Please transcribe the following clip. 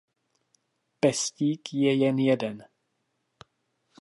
Pestík je jen jeden.